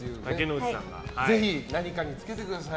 ぜひ何かにつけてください。